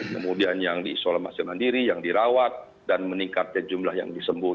kemudian yang diisolasi mandiri yang dirawat dan meningkatnya jumlah yang disembuh